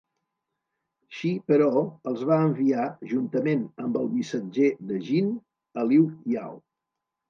Shi, però, els va enviar, juntament amb el missatger de Jin, a Liu Yao.